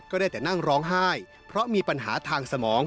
ได้แต่นั่งร้องไห้เพราะมีปัญหาทางสมอง